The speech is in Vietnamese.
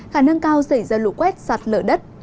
khả năng cao xảy ra lũ quét sạt lở đất